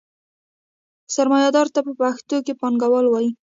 سرمایدار ته پښتو کې پانګوال وايي.